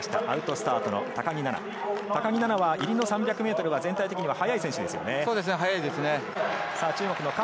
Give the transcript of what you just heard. アウトスタートの高木菜那入りの３００ｍは全体的に速い選手ですね。